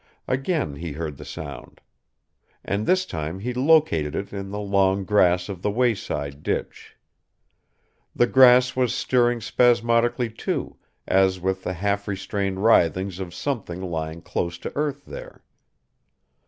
Again he heard the sound. And this time he located it in the long grass of the wayside ditch. The grass was stirring spasmodically, too, as with the half restrained writhings of something lying close to earth there.